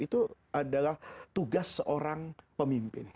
itu adalah tugas seorang pemimpin